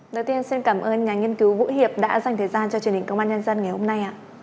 đầu tiên xin cảm ơn nhà nghiên cứu vũ hiệp đã dành thời gian cho truyền hình công an nhân dân ngày hôm nay